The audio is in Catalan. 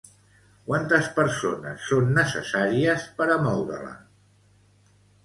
Quantes persones són necessàries per a moure-la?